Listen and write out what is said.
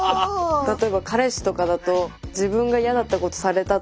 例えば彼氏とかだと自分が嫌だったことされたとか。